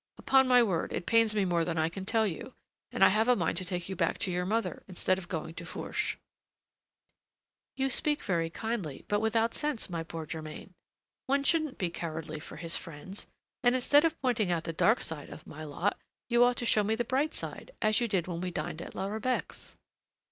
Upon my word, it pains me more than I can tell you, and I have a mind to take you back to your mother, instead of going to Fourche." "You speak very kindly, but without sense, my poor Germain; one shouldn't be cowardly for his friends, and instead of pointing out the dark side of my lot, you ought to show me the bright side, as you did when we dined at La Rebec's."